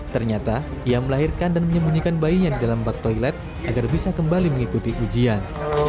ternyata ia melahirkan dan menyembunyikan bayinya di dalam bak toilet agar bisa kembali mengikuti ujian